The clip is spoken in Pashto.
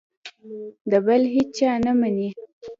د بل هېچا نه مني.